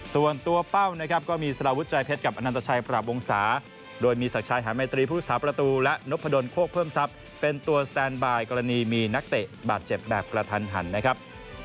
ส่วนตัวเป้านะครับก็มีสารวุฒิใจเพชรกับอนันตชัยปราบวงศาโดยมีศักดิ์ชายหามัยตรีผู้รักษาประตูและนพดลโคกเพิ่มทรัพย์เป็นตัวสแตนบายกรณีมีนักเตะบาดเจ็บแบบกระทันหันนะครับ